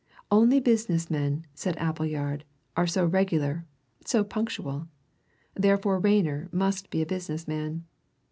Only business men, said Appleyard, are so regular, so punctual; therefore Rayner must be a business man.